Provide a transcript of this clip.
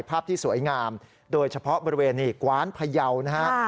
ภาพที่สวยงามโดยเฉพาะบริเวณกว้านพะเยานะครับ